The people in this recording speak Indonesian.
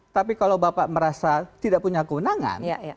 tapi kalau bapak merasa tidak punya kewenangan